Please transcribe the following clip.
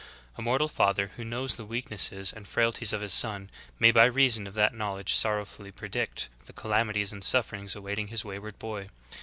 A mortal father who knows the weaknesses and frailties of his son may by reason of that knowledge sorrowfully predict the calamities and sufYerings awaiting his wayward boy.